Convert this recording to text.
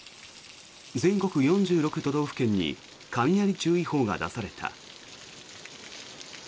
全国４６都道府県に雷注意報が出された。